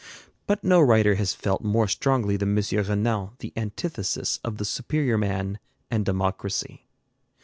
But no writer has felt more strongly than M. Renan the antithesis of the superior man and democracy.